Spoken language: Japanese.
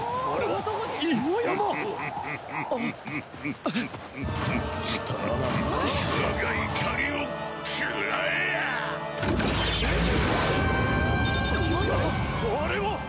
あれは！